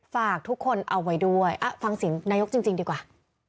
ฝากทุกคนเอาไว้ด้วยฟังเสียงนายกจริงดีกว่า